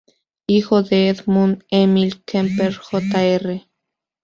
Hijo de Edmund Emil Kemper Jr.